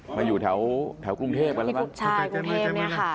มาอยู่แถวกรุงเทพไปนะมั้ยโถทกชายกรุงเทพนี่แหละค่ะ